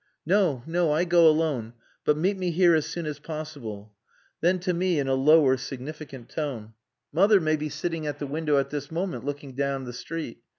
"No! No! I go alone, but meet me here as soon as possible." Then to me in a lower, significant tone "Mother may be sitting at the window at this moment, looking down the street.